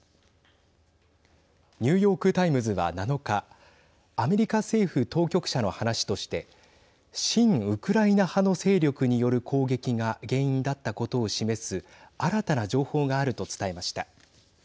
ニューヨーク・タイムズは７日アメリカ政府当局者の話として親ウクライナ派の勢力による攻撃が原因だったことを示す新たな情報があると伝えました。